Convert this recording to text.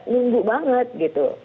minggu banget gitu